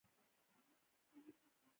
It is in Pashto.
پانګه د اضافي ارزښت په زیاتوالي سره زیاتېږي